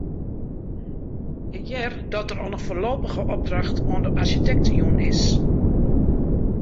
Ik hear dat der al in foarlopige opdracht oan de arsjitekt jûn is.